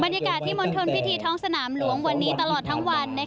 บรรยากาศที่มณฑลพิธีท้องสนามหลวงวันนี้ตลอดทั้งวัน